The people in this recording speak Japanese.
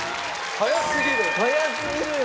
早すぎるよ！